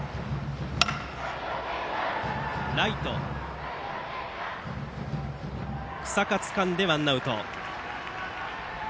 ライト、日下がつかんでワンアウト。